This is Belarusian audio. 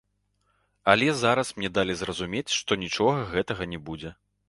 Але зараз мне далі зразумець, што нічога гэтага не будзе.